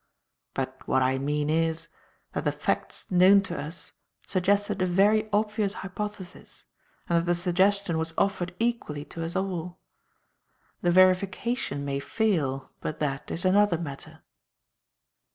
But what I mean is, that the facts known to us suggested a very obvious hypothesis and that the suggestion was offered equally to us all. The verification may fail, but that is another matter."